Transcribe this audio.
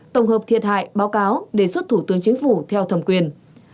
tổng hợp thiệt hại báo cáo đề xuất thủ tướng chính phủ theo thẩm quyền